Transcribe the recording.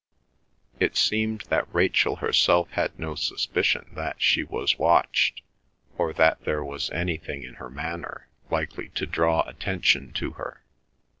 It seemed that Rachel herself had no suspicion that she was watched, or that there was anything in her manner likely to draw attention to her.